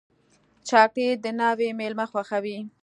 چاکلېټ د ناوې مېلمانه خوښوي.